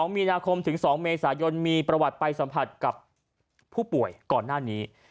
มีนาคมถึง๒เมษายนมีประวัติไปสัมผัสกับผู้ป่วยก่อนหน้านี้